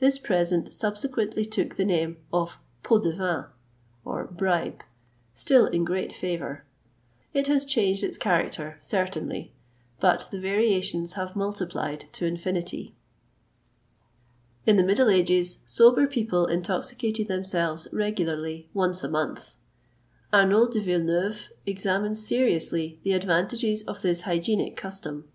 This present subsequently took the name of pot de vin (bribe), still in great favour. It has changed its character, certainly, but the variations have multiplied to infinity.[XXVIII 167] In the middle ages sober people intoxicated themselves regularly once a month. Arnaud de Villeneuve examines seriously the advantages of this Hygienic custom.